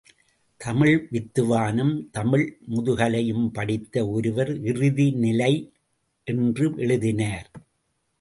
தமிழ் வித்துவானும் தமிழ் முதுகலையும் படித்த ஒருவர் இறுதி னிலை என்று எழுதினார்.